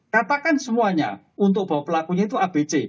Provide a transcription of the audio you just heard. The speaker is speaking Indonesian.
katakan semuanya untuk bahwa pelakunya itu abc